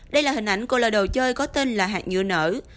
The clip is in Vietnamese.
đây là hình ảnh của loại đồ chơi có tên là hạt nhựa nở